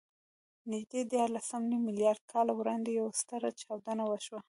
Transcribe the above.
نږدې دیارلسنیم میلیارده کاله وړاندې یوه ستره چاودنه وشوه.